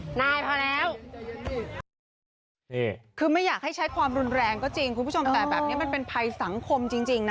นายพอแล้วนี่คือไม่อยากให้ใช้ความรุนแรงก็จริงคุณผู้ชมแต่แบบนี้มันเป็นภัยสังคมจริงนะ